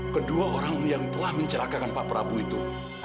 kedua orang yang telah mencelakakan pak prabowo itu